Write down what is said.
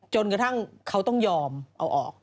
จนกระทั่งเขาต้องยอมเอาออก